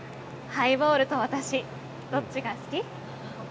ハイボールと私どっちが好き？